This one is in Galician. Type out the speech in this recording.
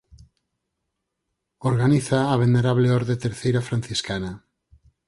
Organízaa a Venerable Orde Terceira Franciscana.